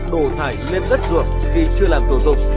đổ tải lên đất ruộng khi chưa làm thổ tục